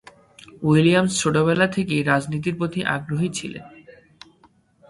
Williams ছোটবেলা থেকেই রাজনীতির প্রতি আগ্রহী ছিলেন।